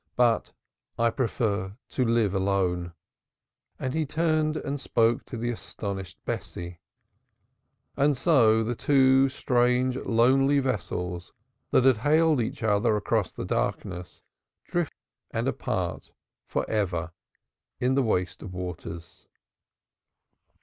"But I prefer to live alone." And he turned and spoke to the astonished Bessie, and so the two strange lonely vessels that had hailed each other across the darkness drifted away and apart for ever in the waste of waters.